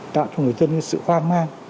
tạo cho người dân cái sự hoang mang